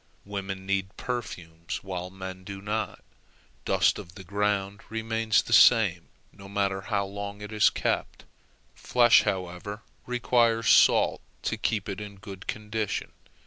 Women need perfumes, while men do not; dust of the ground remains the same no matter how long it is kept; flesh, however, requires salt to keep it in good condition.